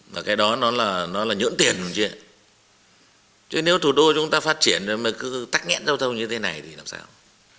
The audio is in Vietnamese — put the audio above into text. và cái đó nó là nhưỡng tiền chứ nếu thủ đô chúng ta phát triển mà cứ tắc nghẹn râu râu như thế này thì làm sao